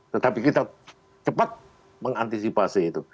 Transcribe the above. tetapi kita cepat mengantisipasi itu